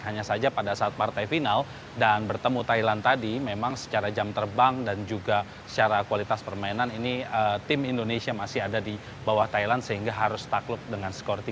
hanya saja pada saat partai final dan bertemu thailand tadi memang secara jam terbang dan juga secara kualitas permainan ini tim indonesia masih ada di bawah thailand sehingga harus takluk dengan skor tiga